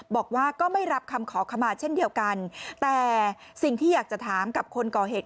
บอกว่าก็ไม่รับคำขอขมาเช่นเดียวกันแต่สิ่งที่อยากจะถามกับคนก่อเหตุ